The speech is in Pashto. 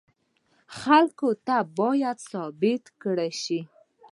خلکو ته باید ثابته کړای شي.